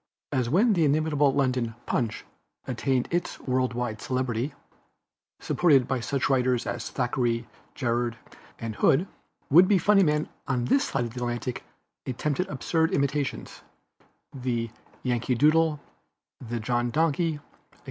As when the inimitable London Punch attained its world wide celebrity, supported by such writers as Thackeray, Jerrold and Hood, would be funny men on this side of the Atlantic attempted absurd imitations the Yankee Doodle, the John Donkey, etc.